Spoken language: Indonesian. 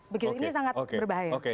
begitu ini sangat berbahaya